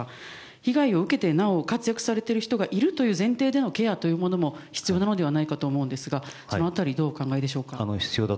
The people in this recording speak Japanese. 被害を受けて、なお活躍されているという前提でのケアも必要なのではないかと思いますが、その辺り、どうお考えでしょうか？